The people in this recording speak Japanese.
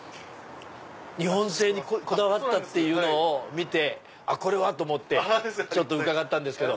日本製にこだわったっていうの見てこれは！と思ってちょっと伺ったんですけど。